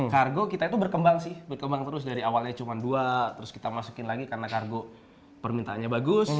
kargo kita itu berkembang sih berkembang terus dari awalnya cuma dua terus kita masukin lagi karena kargo permintaannya bagus